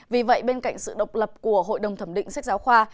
vì vậy bên cạnh sự độc lập của hội đồng thẩm định sách giáo khoa